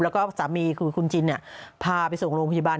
แล้วก็สามีคือคุณจินพาไปส่งโรงพยาบาล